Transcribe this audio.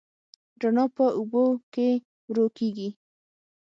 رڼا په اوبو کې ورو کېږي.